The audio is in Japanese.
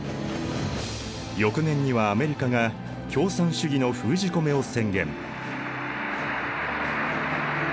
翌年にはアメリカが共産主義の封じ込めを宣言。